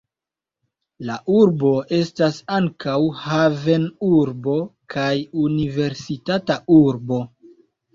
La urbo estas ankaŭ havenurbo kaj universitata urbo.